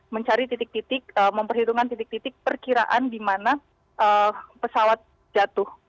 mencari titik titik memperhitungkan titik titik perkiraan di mana pesawat jatuh